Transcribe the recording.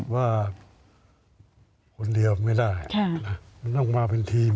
ว่าคนเดียวไม่ได้มันต้องมาเป็นทีม